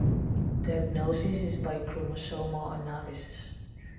Diagnosis is by chromosomal analysis.